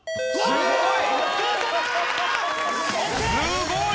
すごい！